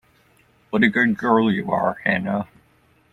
What a good girl you are, Hana!